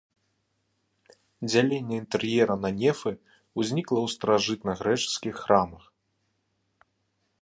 Дзяленне інтэр'ера на нефы ўзнікла ў старажытнагрэчаскіх храмах.